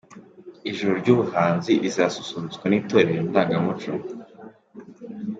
Ijoro ry’ubuhanzi rizasusurutswa n’Itorero Indangamuco